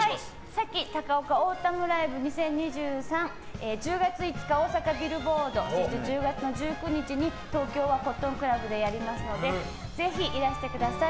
「ＳＡＫＩＴＡＫＡＯＫＡＡｕｔｕｍｎＬｉｖｅ２０２３」が１０月５日、大阪ビルボードそして１０月の１９日に東京はコットンクラブでやりますのでぜひいらしてください。